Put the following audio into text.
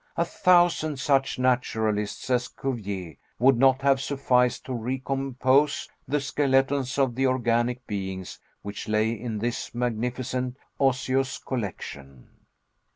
A thousand such naturalists as Cuvier would not have sufficed to recompose the skeletons of the organic beings which lay in this magnificent osseous collection.